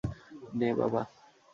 নে, বাবা!